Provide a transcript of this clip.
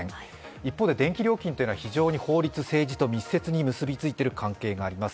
一方で電気料金というのは政治と密接に結びついているところもあります。